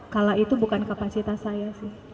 kala itu bukan kapasitas saya sih